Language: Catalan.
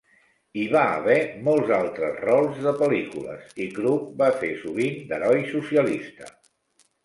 Hi va haver molts altres rols de pel·lícules, i Krug va fer sovint d'heroi socialista.